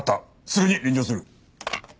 すぐに臨場する。